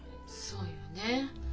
そうよね。